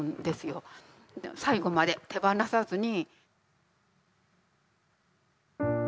最後まで手放さずに。